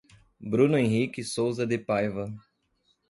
Bruno Henrique Souza de Paiva